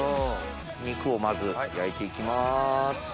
肉をまず焼いていきます。